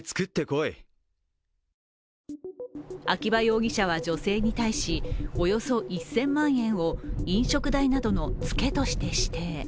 秋葉容疑者は女性に対しおよそ１０００万円を飲食代などのツケとして指定。